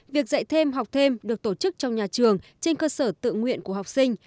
việc dạy thêm học thêm được tổ chức trong nhà trường trên cơ sở tự nguyện của học sinh